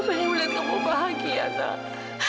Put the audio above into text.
kamu ingin lihat kamu bahagia tak